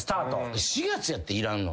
４月やっていらんの。